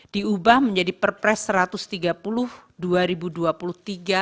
diubah menjadi perpres satu ratus tiga puluh dua ribu dua puluh tiga